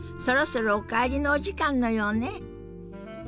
そろそろお帰りのお時間のようね。